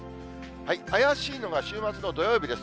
怪しいのが週末の土曜日です。